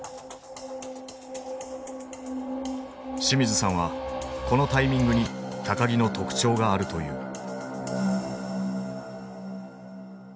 清水さんはこのタイミングに木の特徴があるという。